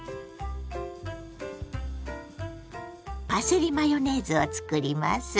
パセリマヨネーズを作ります。